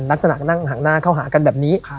นักนะนั่งห่างหน้าเข้าหากันแบบนี้